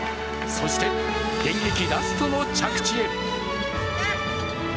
そして現役ラストの着地。